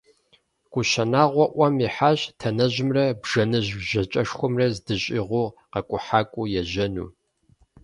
КӀущэ Нагъуэ Ӏуэм ихьащ Танэжьымрэ Бжэныжь ЖьакӀэшхуэмрэ здыщӀигъуу къэкӀухьакӀуэ ежьэну.